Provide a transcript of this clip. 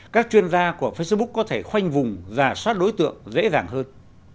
các chuyên gia của facebook có thể khoanh vùng và xoát đối tượng dễ dàng hơn